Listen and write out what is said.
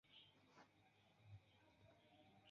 Tio estas malofta ekzemplo de ne-metalaj moneroj.